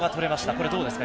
これはどうですか？